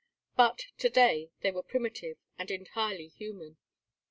But to day they were primitive and entirely human.